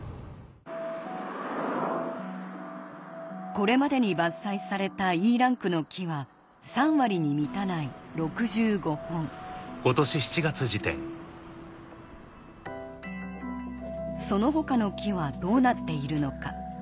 これまでに伐採されたＥランクの木は３割に満たない６５本その他の木はどうなっているのか？